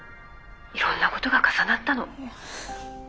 いろんなことが重なったの。